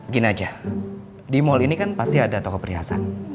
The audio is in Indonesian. gini aja di mal ini kan pasti ada toko perhiasan